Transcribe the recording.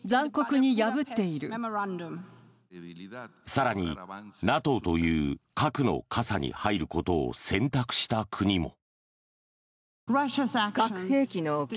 更に、ＮＡＴＯという核の傘に入ることを選択した国も。